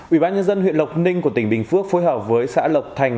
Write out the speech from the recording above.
ủy ban nhân dân huyện lộc ninh của tỉnh bình phước phối hợp với xã lộc thành